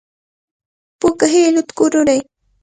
Puka hiluta kururay.